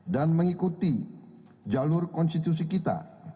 dan mengikuti jalur konstitusi kita